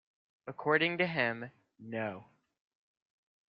According to him, no.